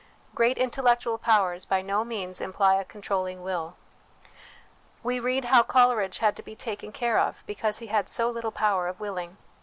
Great intellectual powers by no means imply a controlling will. We read how Coleridge had to be taken care of, because he had so little power of willing.